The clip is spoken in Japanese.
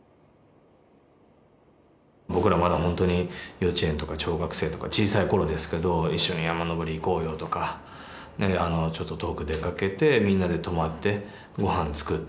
僕らまだほんとに幼稚園とか小学生とか小さい頃ですけど「一緒に山登り行こうよ」とかちょっと遠く出かけてみんなで泊まってごはんつくったりとか。